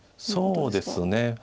そうですね。